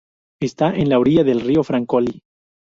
Está en la orilla del río Francolí.